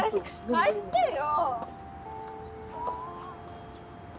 貸してよ！